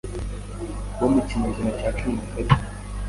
bo mu kinyejana cya cumi na karindwi